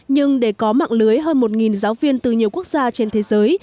nhưng để có mạng lưới hơn một giáo viên từ nhiều quốc gia trên thế giới